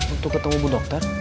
untuk ketemu bu dokter